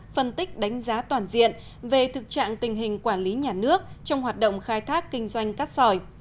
phân tích đánh giá toàn diện về thực trạng tình hình quản lý nhà nước trong hoạt động khai thác kinh doanh cát sỏi